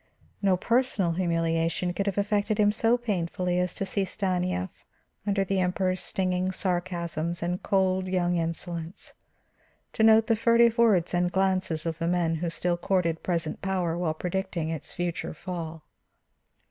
No personal humiliation could have affected him so painfully as to see Stanief under the Emperor's stinging sarcasms and cold, young insolence, to note the furtive words and glances of the men who still courted present power while predicting its future fall.